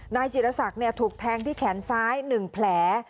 นายจิรศักดิ์ถูกแทงที่แขนซ้าย๑แผล